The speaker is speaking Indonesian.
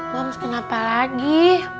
mams kenapa lagi